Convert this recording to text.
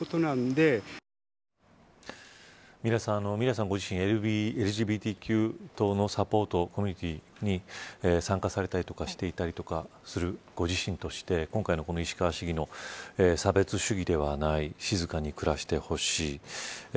ミラさんご自身ＬＧＢＴＱ等のサポートコミュニティに参加されたりとかしていたりとかするご自身として今回の石川市議の差別主義ではない静かに暮らしてほしい。